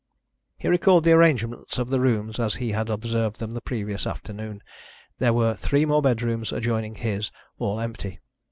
He recalled the arrangements of the rooms as he had observed them the previous afternoon. There were three more bedrooms adjoining his, all empty.